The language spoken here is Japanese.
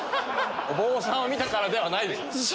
お坊さんを見たからではないでしょ。